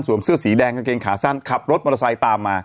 เสื้อสีแดงกางเกงขาสั้นขับรถมอเตอร์ไซค์ตามมา